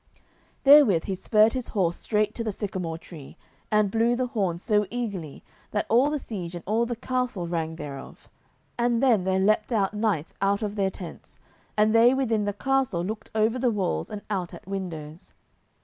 Therewith he spurred his horse straight to the sycamore tree, and blew the horn so eagerly that all the siege and all the castle rang thereof. And then there leaped out knights out of their tents, and they within the castle looked over the walls and out at windows.